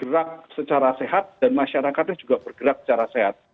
bergerak secara sehat dan masyarakatnya juga bergerak secara sehat